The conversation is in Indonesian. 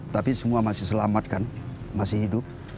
tapi semua masih selamat kan masih hidup